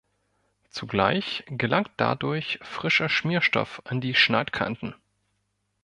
Zugleich gelangt dadurch frischer Schmierstoff an die Schneidkanten.